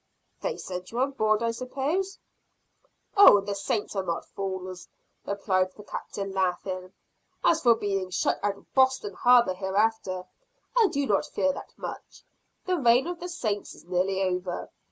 "They sent you on board, I suppose?" "Oh, the Saints are not fools," replied the Captain, laughing. "As for being shut out of Boston harbor hereafter, I do not fear that much. The reign of the Saints is nearly over.